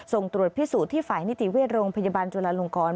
ส่งตรวจพิสูจน์ที่ฝ่ายนิติเวชโรงพยาบาลจุลาลงกร